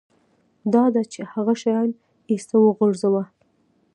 دا ده چې هغه شیان ایسته وغورځوه